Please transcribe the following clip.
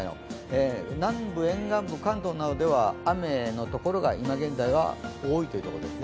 南部沿岸部、関東などでは雨のところが今現在多いということですね。